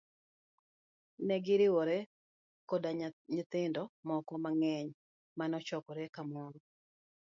Negiriwore koda nyithindo moko mang'eny mane ochokore kamoro.